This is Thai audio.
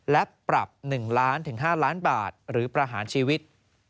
และปรับ๑๕ล้านบาทหรือประหารชีวิต